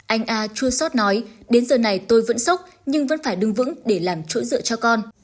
anh a chua sót nói đến giờ này tôi vẫn sốc nhưng vẫn phải đứng vững để làm chỗ dựa cho con